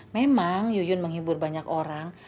memang yuyun menghibur banyak orang